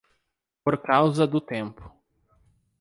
Por causa do tempo